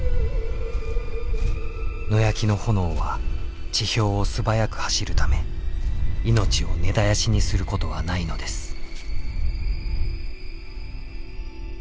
野焼きの炎は地表を素早く走るため命を根絶やしにすることはないのです。